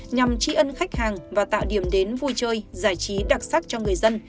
nhằm tri ân khách hàng và tạo điểm đến vui chơi giải trí đặc sắc cho người dân